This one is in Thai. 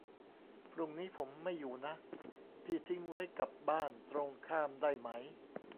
พรุ่งนี้ผมไม่อยู่นะ พี่ทิ้งไว้กับบ้านตรงข้ามได้ไหม